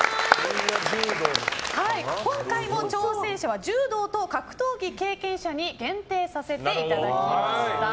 今回も挑戦者は柔道と格闘技経験者に限定させていただきました。